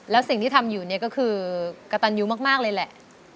แล้วสิ่งที่ทำอยู่เนี่ยก็คือกระตันยูมากเลยแหละ